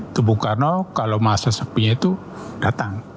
itu bung karno kalau masa sepinya itu datang